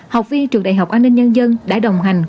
học viên trường đại học an ninh nhân dân đã đồng hành